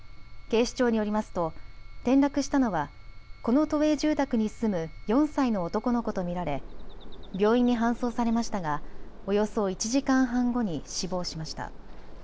警視庁によりますと転落したのはこの都営住宅に住む４歳の男の子と見られ病院に搬送されましたがおよそ１時間半後に死亡しました。